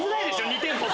２店舗。